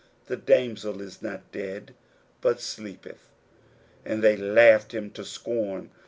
the damsel is not dead, but sleepeth. 41:005:040 And they laughed him to scorn.